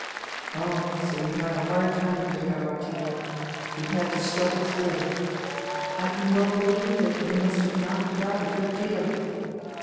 "Oh, so you've had a hard time of it, Herr Martini, you've had to struggle through. I can well believe that you must have knocked about a good deal!"